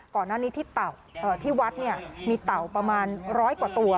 ก่อนหน้านี้ที่เต่าเอ่อที่วัดเนี้ยมีเต่าประมาณร้อยกว่าตัว